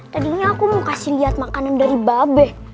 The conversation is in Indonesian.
tadinya aku mau kasih lihat makanan dari babe